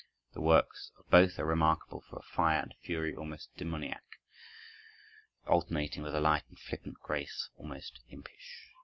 The works of both are remarkable for a fire and fury almost demoniac, alternating with a light and flippant grace, almost impish.